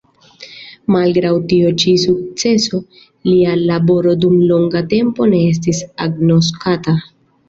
Malgraŭ tiu ĉi sukceso lia laboro dum longa tempo ne estis agnoskata.